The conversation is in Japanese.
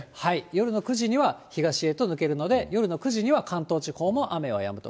夜の９時には東に抜けるので、夜の９時には関東地方も雨はやむと。